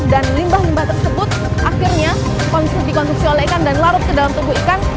dan limbah limbah tersebut akhirnya dikonsumsi oleh ikan dan larut ke dalam tubuh ikan